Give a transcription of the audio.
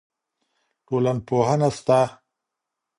ټولنپوهنه سته.